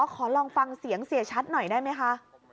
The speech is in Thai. ขอลองฟังเสียชัตริย์หน่อยได้ไหมค่ะ